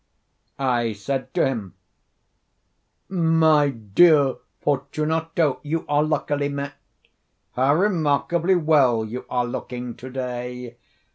I said to him: "My dear Fortunato, you are luckily met. How remarkably well you are looking to day!